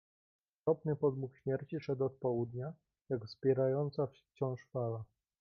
"Okropny podmuch śmierci szedł od południa, jak wzbierająca wciąż fala."